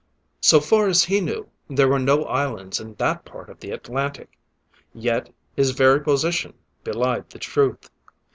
So far as he knew, there were no islands in that part of the Atlantic; yet his very position belied the truth.